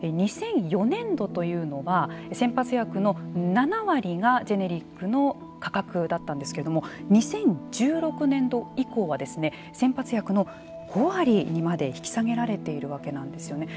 ２００４年度というのは先発薬の７割がジェネリックの価格だったんですけれども２０１６年度以降は先発薬の５割にまで引き下げられているわけなんですよね。